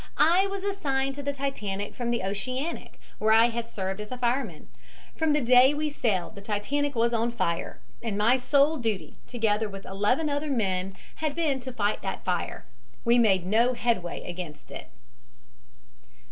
"I was assigned to the Titanic from the Oceanic, where I had served as a fireman. From the day we sailed the Titanic was on fire, and my sole duty, together with eleven other men, had been to fight that fire. We had made no headway against it."